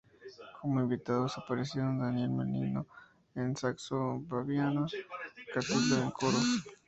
Como invitados aparecieron Daniel Melingo en saxo y Fabiana Cantilo en coros.